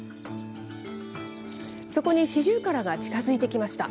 そこにシジュウカラが近づいてきました。